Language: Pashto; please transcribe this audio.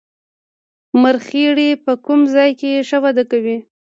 مرخیړي په کوم ځای کې ښه وده کوي